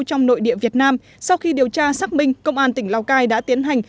trong nội địa việt nam sau khi điều tra xác minh công an tỉnh lào cai đã tiến hành